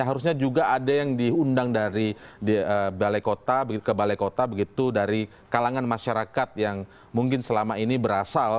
harusnya juga ada yang diundang dari balai kota begitu ke balai kota begitu dari kalangan masyarakat yang mungkin selama ini berada di dalam masyarakat